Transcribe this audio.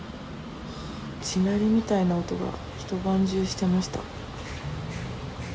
地鳴りみたいな音が、一晩中してました。